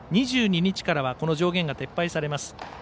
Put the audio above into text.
２２日からは上限が撤廃されます。